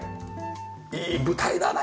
いい舞台だね。